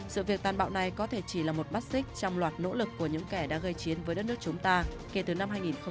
sự việc tàn bạo này có thể chỉ là một mắt xích trong loạt nỗ lực của những kẻ đã gây chiến với đất nước chúng ta kể từ năm hai nghìn một mươi